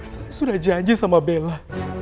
saya sudah janji sama bella